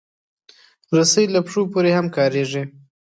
رسۍ له پښو پورې هم کارېږي.